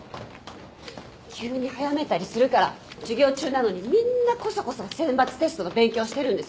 急に早めたりするから授業中なのにみんなこそこそ選抜テストの勉強してるんですよ。